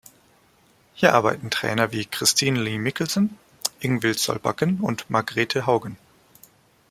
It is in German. Hier arbeiten Trainer wie Kristin Lee Mikkelsen, Ingvild Solbakken und Margrethe Haugen.